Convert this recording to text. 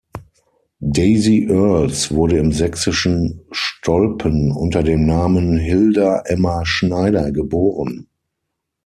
Daisy Earles wurde im sächsischen Stolpen unter dem Namen Hilda Emma Schneider geboren.